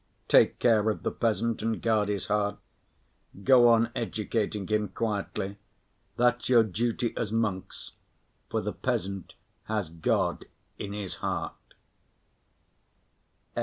Take care of the peasant and guard his heart. Go on educating him quietly. That's your duty as monks, for the peasant has God in his heart.